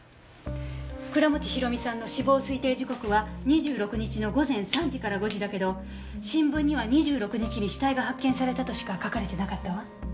倉持広美さんの死亡推定時刻は２６日の午前３時から５時だけど新聞には２６日に死体が発見されたとしか書かれてなかったわ。